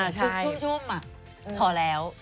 เชิงชื่นอ่ะ